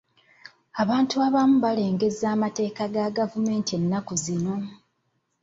Abantu abamu balengezza amateeka ga gavumneti ennaku zino.